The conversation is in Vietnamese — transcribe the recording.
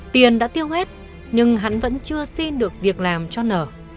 tiền đã tiêu hết nhưng hắn vẫn chưa xin được việc làm cho nở